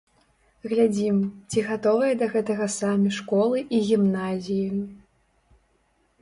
Глядзім, ці гатовыя да гэтага самі школы і гімназіі.